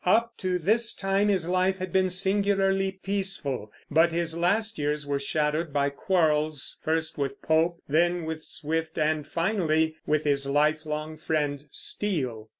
Up to this time his life had been singularly peaceful; but his last years were shadowed by quarrels, first with Pope, then with Swift, and finally with his lifelong friend Steele.